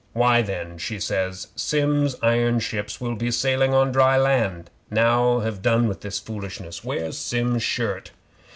'"Why, then," she says, "Sim's iron ships will be sailing on dry land. Now ha' done with this foolishness. Where's Sim's shirt?"